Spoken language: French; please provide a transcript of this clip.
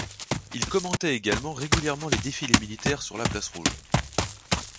Il commentait également régulièrement les défilés militaires sur la place Rouge.